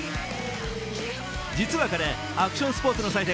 実は彼、アクションスポーツの祭典